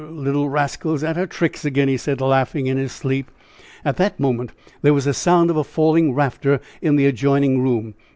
d d little rascal is at her tricks again!" he said, laughing in his sleep. At that moment there was the sound of a falling rafter in the adjoining room.